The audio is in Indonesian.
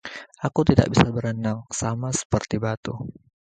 Aku tidak bisa berenang, sama seperti batu.